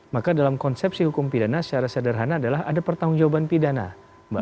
maka dalam konsepsi hukum pidana secara sederhana adalah ada pertanggung jawaban pidana mbak